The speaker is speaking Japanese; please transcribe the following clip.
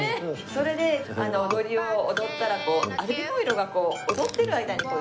それで踊りを踊ったらアルミホイルが踊ってる間にちょっとずつ。